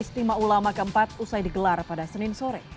istimewa ulama keempat usai digelar pada senin sore